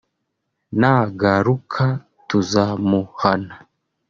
nagaruka tuzamuhana